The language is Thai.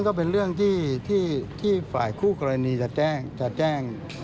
นั่นก็เป็นเรื่องที่ฝ่ายคู่กรณีจะแจ้ง